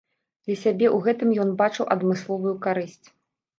Для сябе ў гэтым ён бачыў адмысловую карысць.